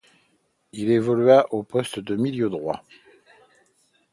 Il évoluait au poste de milieu droit.